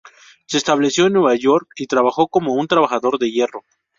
Se estableció en Nueva York y trabajó como un trabajador de hierro.